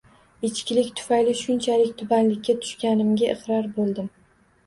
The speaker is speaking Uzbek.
Ichkilik tufayli shunchalik tubanlikka tushganimga iqror bo`ldim